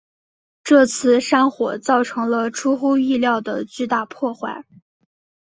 这次山火造成了出乎意料的巨大破坏。